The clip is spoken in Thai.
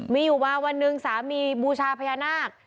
มีอยู่มาวันหนึ่งสามีบูชาพญานาค